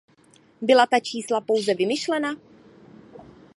Byla ta čísla pouze vymyšlena?